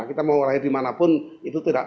kita mau lahir dimanapun itu tidak